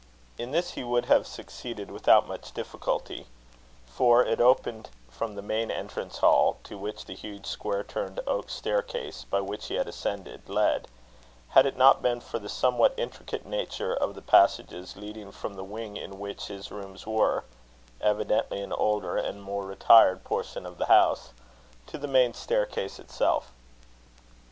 In this he would have succeeded without much difficulty, for it opened from the main entrance hall, to which the huge square turned oak staircase, by which he had ascended, led; had it not been for the somewhat intricate nature of the passages leading from the wing in which his rooms were (evidently an older and more retired portion of the house) to the main staircase itself.